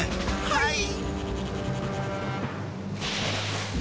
はい！